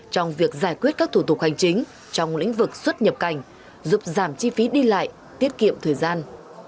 trong việc giải quyết các thủ tục hành chính trong lĩnh vực xuất nhập cảnh giúp giảm chi phí đi lại tiết kiệm thời gian